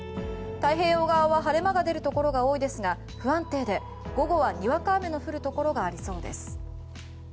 太平洋側は晴れ間が出るところが多いですが不安定で午後はにわか雨の降るところがありそうです。